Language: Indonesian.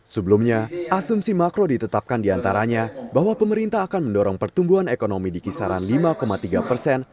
sebelumnya asumsi makro ditetapkan diantaranya bahwa pemerintah akan mendorong pertumbuhan ekonomi di kisaran lima tiga persen